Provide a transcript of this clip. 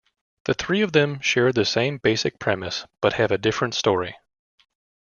The three of them share the same basic premise but have a different story.